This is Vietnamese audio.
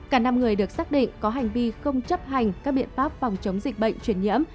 cả năm người được xác định có hành vi không chấp hành các biện pháp phòng chống dịch bệnh chuyển nhiễm